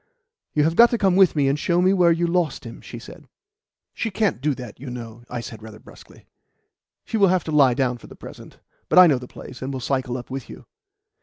"You have got to come with me and show me whore you lost him," she said. "She can't do that, you know," I said rather brusquely. "She will have to lie down for the present. But I know the place, and will cycle up with you."